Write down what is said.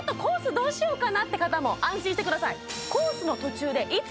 どうしようかなって方も安心してください